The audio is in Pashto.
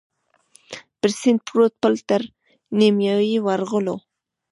پر سیند پروت پل تر نیمايي ورغلو.